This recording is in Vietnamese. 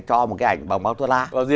cho một cái ảnh bằng bao thuốc lá